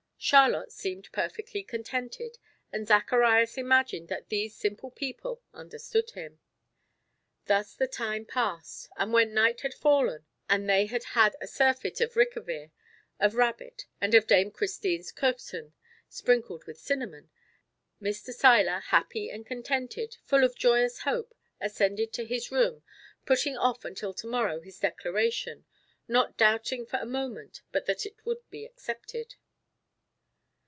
Charlotte seemed perfectly contented, and Zacharias imagined that these simple people understood him. Thus the time passed, and when night had fallen and they had had a surfeit of Rikevir, of rabbit and of Dame Christine's "koechten" sprinkled with cinnamon. Mr. Seiler, happy and contented, full of joyous hope, ascended to his room, putting off until to morrow his declaration, not doubting for a moment but that it would be accepted.